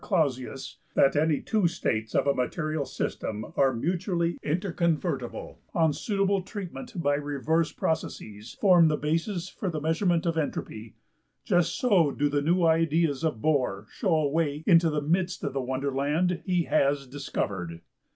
~Clausius, that any two states of a material system are mutually interconvertible on suitable treatment by reversible processes, formed the basis for the measurement of entropy, just so do the new ideas of Bohr show a way into the midst of the wonderland he has discovered.